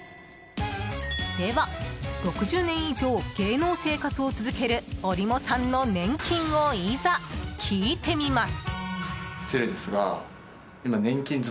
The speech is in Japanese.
では、６０年以上芸能生活を続けるおりもさんの年金をいざ、聞いてみます。